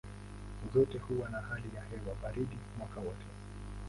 Zote huwa na hali ya hewa baridi mwaka wote.